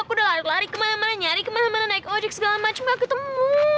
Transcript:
aku udah lari lari kemana mana nyari kemana mana naik ojek segala macem aku ketemu